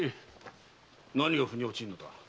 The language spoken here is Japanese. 何が腑に落ちぬのだ？